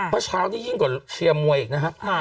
เมื่อเช้านี้ยิ่งกว่าเชียร์มวยอีกนะครับ